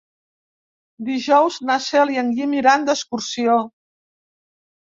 Dijous na Cel i en Guim iran d'excursió.